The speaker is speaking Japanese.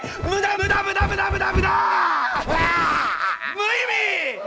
無意味！